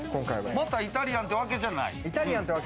またイタリアンってわけじゃない。